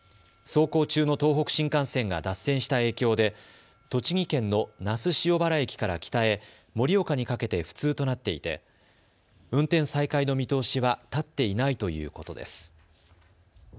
走行中の東北新幹線が脱線した影響で栃木県の那須塩原駅から北へ盛岡にかけて不通となっていて運転再開の見通しは立っていないということです。